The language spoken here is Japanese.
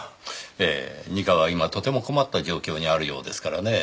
ええ二課は今とても困った状況にあるようですからねぇ。